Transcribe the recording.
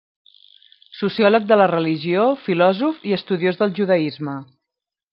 Sociòleg de la religió, filòsof i estudiós del judaisme.